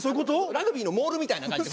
ラグビーのモールみたいな感じで。